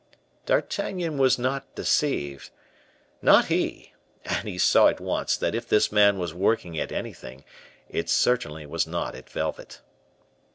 D'Artagnan was not deceived, not he; and he saw at once that if this man was working at anything, it certainly was not at velvet.